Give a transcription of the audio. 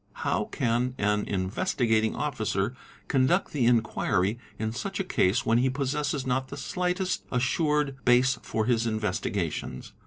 How can an Beavestigating Officer conduct the inquiry in such a case when he possesses not the slightest assured base for his investigations?